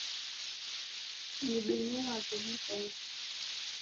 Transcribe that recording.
Nidumie magome kwa Mpesa